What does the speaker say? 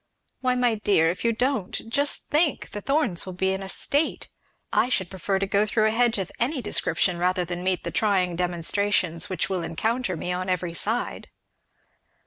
Why my dear, if you don't just think! the Thorns will be in a state I should prefer to go through a hedge of any description rather than meet the trying demonstrations which will encounter me on every side."